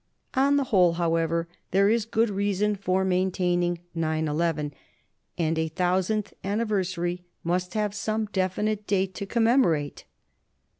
On the whole, however, there is good reason for maintaining 911 and a thou sandth anniversary must have some definite date to commemorate